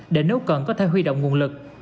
để nếu cần có thể huy động nguồn lực